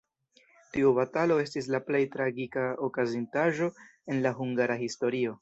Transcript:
Tiu batalo estis la plej tragika okazintaĵo en la hungara historio.